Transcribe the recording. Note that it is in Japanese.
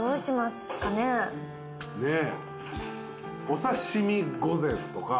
お刺身御膳とか。